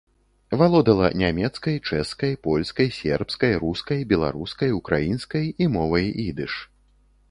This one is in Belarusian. Валодала нямецкай, чэшскай, польскай, сербскай, рускай, беларускай, украінскай і мовай ідыш.